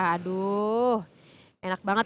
aduh enak banget